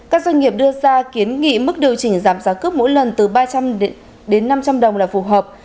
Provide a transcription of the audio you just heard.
các doanh nghiệp đưa ra kiến nghị mức điều chỉnh giảm giá cước mỗi lần từ ba trăm linh đến năm trăm linh đồng là phù hợp